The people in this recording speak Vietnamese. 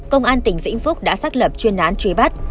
công an tỉnh vĩnh phúc đã xác lập truy nã truy bắt